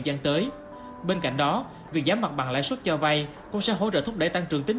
gian tới bên cạnh đó việc giảm mặt bằng lãi suất cho vay cũng sẽ hỗ trợ thúc đẩy tăng trưởng tính